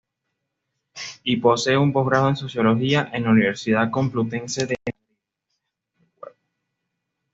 Y posee un postgrado en Sociología en la Universidad Complutense de Madrid.